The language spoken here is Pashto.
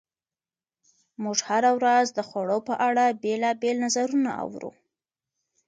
موږ هره ورځ د خوړو په اړه بېلابېل نظرونه اورو.